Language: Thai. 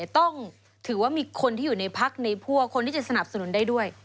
ต้องถือว่ามีคนที่อยู่ในพักในพวกคนที่จะสนับสนุนได้ด้วย